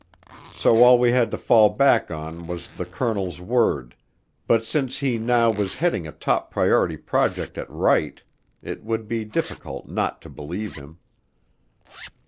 So all we had to fall back on was the colonel's word, but since he now was heading a top priority project at Wright, it would be difficult not to believe him.